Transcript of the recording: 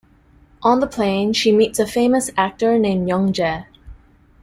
On the plane, she meets a famous actor named Young-jae.